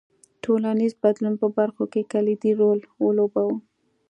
ټولنیز بدلون په برخو کې کلیدي رول ولوباوه.